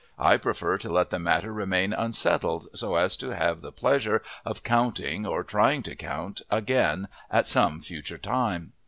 I prefer to let the matter remain unsettled so as to have the pleasure of counting or trying to count them again at some future time.